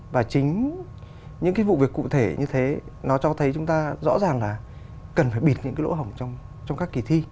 và chính những cái vụ việc cụ thể như thế nó cho thấy chúng ta rõ ràng là cần phải bịt những cái lỗ hỏng trong các kỳ thi